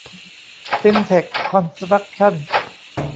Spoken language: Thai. ซินเท็ค คอนสตรัคชั่น